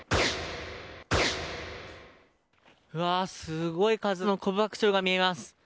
うわあ、すごい数のコブハクチョウが見えます。